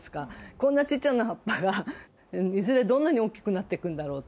こんなちっちゃな葉っぱがいずれどんなに大きくなっていくんだろうって。